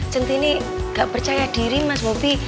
centini gak percaya diri mas bobi